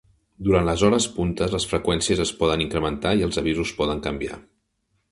Durant les hores punta les freqüències es poden incrementar i els avisos poden canviar.